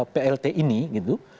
plt ini gitu